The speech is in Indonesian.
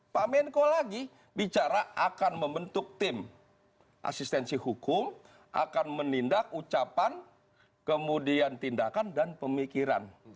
pak menko lagi bicara akan membentuk tim asistensi hukum akan menindak ucapan kemudian tindakan dan pemikiran